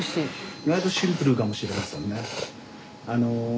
意外とシンプルかもしれませんね。